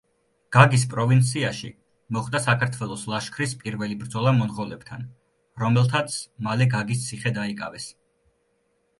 გაგის პროვინციაში მოხდა საქართველოს ლაშქრის პირველი ბრძოლა მონღოლებთან, რომელთაც მალე გაგის ციხე დაიკავეს.